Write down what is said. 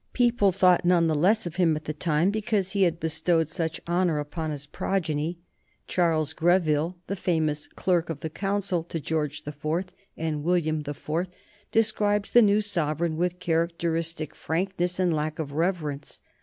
People thought none the less of him, at the time, because he had bestowed such honor upon his progeny. Charles Greville, the famous Clerk of the Council to George the Fourth and William the Fourth, describes the new sovereign with characteristic frankness and lack of reverence.